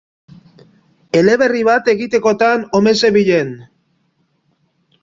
Eleberri bat egitekotan omen zebilen.